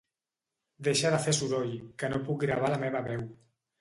Deixa de fer soroll, que no puc gravar la meva veu.